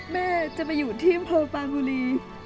แม่จะไปอยู่ที่เมืองฟ้าบุรี